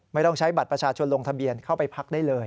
ไม่ต้องใช้บัตรประชาชนลงทะเบียนเข้าไปพักได้เลย